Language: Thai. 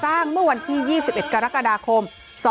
เมื่อวันที่๒๑กรกฎาคม๒๕๖